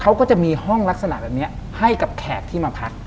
เขาก็จะมีห้องลักษณะแบบนี้ให้กับแขกที่มาพัก